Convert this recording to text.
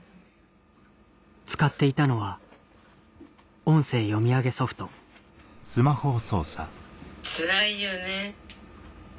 使っていたのは音声読み上げソフトつらいよね。